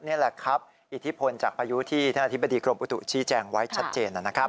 นี่แหละครับอิทธิพลจากพายุที่ท่านอธิบดีกรมอุตุชี้แจงไว้ชัดเจนนะครับ